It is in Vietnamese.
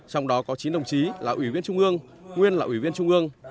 trong đó có chín đồng chí là ủy viên trung ương nguyên là ủy viên trung ương